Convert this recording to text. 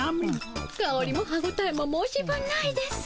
かおりも歯ごたえも申し分ないです。